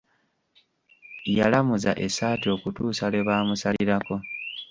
Yalamuza essaati okutuusa lwe baamusalirako.